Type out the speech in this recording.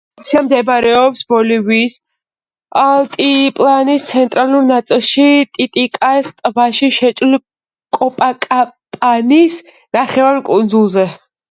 პროვინცია მდებარეობს ბოლივიის ალტიპლანოს ცენტრალურ ნაწილში, ტიტიკაკას ტბაში შეჭრილ კოპაკაბანის ნახევარკუნძულზე.